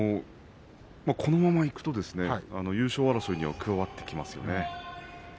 このままいくと優勝争いに加わってきますね。